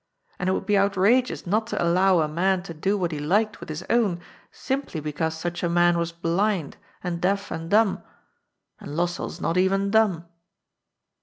And it would be outrageous not to allow a man to do what he liked with his own, simply because such a man was blind, and deaf and dumb. And Lossell's not even dumb."